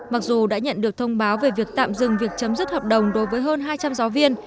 mặc dù đã nhận được thông báo về việc tạm dừng việc chấm dứt hợp đồng đối với hơn hai trăm linh giáo viên